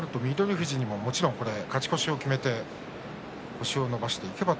富士も勝ち越しを決めて星を伸ばしていけば。